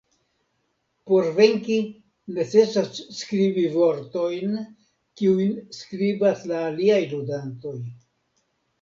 Por venki necesas skribi vortojn, kiujn skribas la aliaj ludantoj.